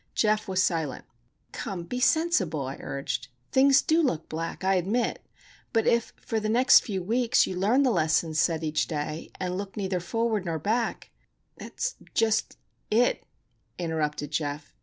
Geof was silent. "Come, be sensible," I urged. "Things do look black, I admit, but if for the next few weeks you learn the lessons set each day, and look neither forward nor back——" "That's just it," interrupted Geof.